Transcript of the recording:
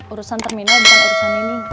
urusan terminal bukan urusan ini